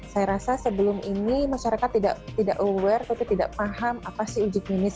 saya rasa sebelum ini masyarakat tidak aware tapi tidak paham apa sih uji klinis